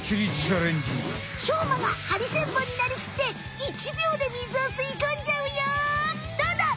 しょうまがハリセンボンになりきって１秒で水を吸い込んじゃうよ！どうだ！？